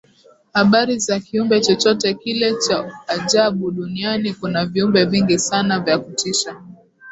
habari za kiumbe chochote kile Cha ajabuduniani Kuna viumbe vingi Sana vya kutisha